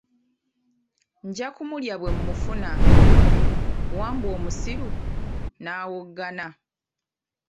Nja kumulya bwe mmufuna, Wambwa omusiru n'awoggana.